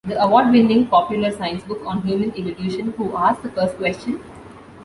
The award-winning popular science book on human evolution Who Asked the First Question?